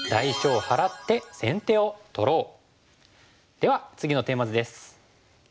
では次のテーマ図です。